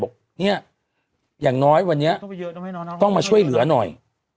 เนี่ยอย่างน้อยวันนี้ต้องมาช่วยเหลือหน่อย